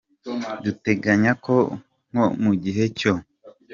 Duteganya ko nko mu gihe cyo.